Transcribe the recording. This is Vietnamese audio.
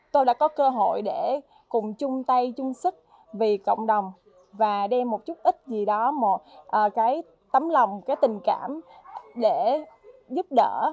tôi đã có cơ hội để cùng chung tay chung sức vì cộng đồng và đem một chút ích gì đó một cái tấm lòng cái tình cảm để giúp đỡ